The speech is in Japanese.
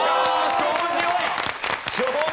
勝負強い！